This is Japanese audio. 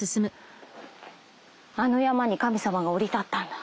あの山に神様が降り立ったんだ。